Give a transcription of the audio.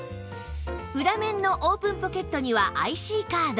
裏面のオープンポケットには ＩＣ カード